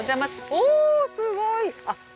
おおすごい！